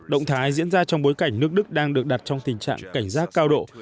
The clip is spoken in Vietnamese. động thái diễn ra trong bối cảnh nước đức đang được đặt trong tình trạng cảnh giác cao độ